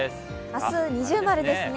明日二重丸ですね。